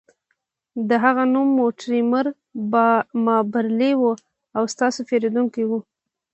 د هغه نوم مورټیمر مابرلي و او ستاسو پیرودونکی و